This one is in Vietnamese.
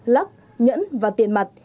lác nhẫn và tiền mặt